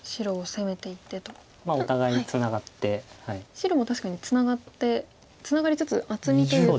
白も確かにツナがってツナがりつつ厚みというか。